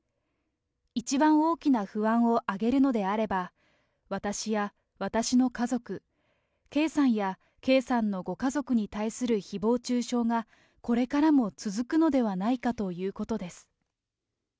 一番大きな不安を挙げるのであれば、私や私の家族、圭さんや圭さんのご家族に対するひぼう中傷がこれからも続くのではないかということです。